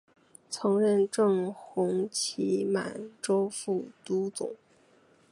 曾任正红旗满洲副都统。